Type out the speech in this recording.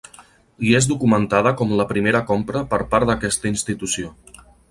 Hi és documentada com la primera compra per part d'aquesta institució.